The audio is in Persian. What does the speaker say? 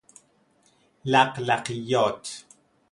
لقلقیات